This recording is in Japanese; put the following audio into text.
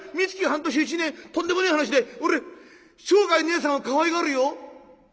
半年１年とんでもねえ話で俺生涯ねえさんをかわいがるよ！」。